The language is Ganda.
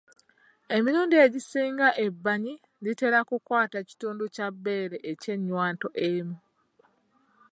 Emirundi egisinga ebbanyi litera kukwata kitundu kya bbeere eky'ennywanto emu.